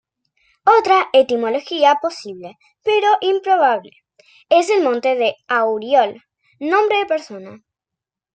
Otra etimología posible, pero improbable, es el "monte de Auriol", nombre de persona.